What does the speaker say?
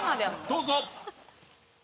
どうぞ。